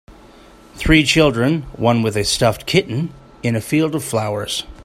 Three children, one with a stuffed kitten, in a field of flowers.